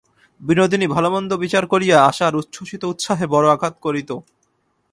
বিনোদিনী ভালোমন্দ বিচার করিয়া আশার উচ্ছ্বসিত উৎসাহে বড়ো আঘাত করিত।